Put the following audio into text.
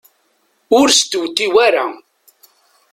Ur stewtiw ara.